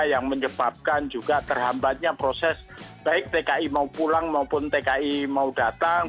yang menyebabkan juga terhambatnya proses baik tki mau pulang maupun tki mau datang